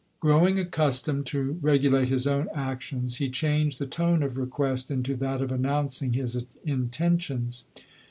Growing accustomed to regulate his own actions, he changed the tone of request into that of announcing his intentions.